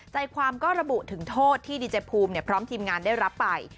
ใจความก็ระบุถึงโทษที่ดีเจภูมิพร้อมทีมงานได้รับไป